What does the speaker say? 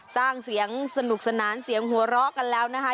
สร้างเสียงสนุกสนานเสียงหัวเราะกันแล้วนะคะ